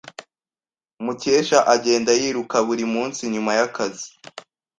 Mukesha agenda yiruka buri munsi nyuma yakazi.